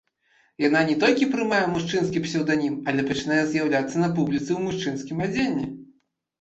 Яна не толькі прымае мужчынскі псеўданім, але пачынае з'яўляцца на публіцы ў мужчынскім адзенні.